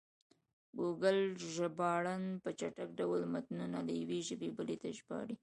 ګوګل ژباړن په چټک ډول متنونه له یوې ژبې بلې ته ژباړي.